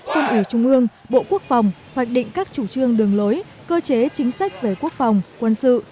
quân ủy trung ương bộ quốc phòng hoạch định các chủ trương đường lối cơ chế chính sách về quốc phòng quân sự